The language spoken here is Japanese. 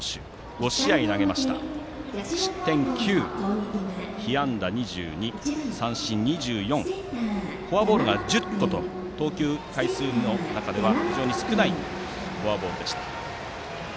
５試合投げて失点９被安打２２、三振２４フォアボールが１０個と投球回数の中では非常に少ないフォアボールでした。